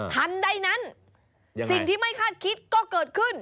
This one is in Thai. ทันใดนั้นสิ่งที่ไม่คาดคิดก็เกิดขึ้น